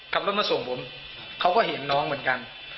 ขับรถมาส่งผมเขาก็เห็นน้องเหมือนกัน